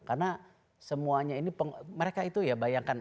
karena semuanya ini mereka itu ya bayangkan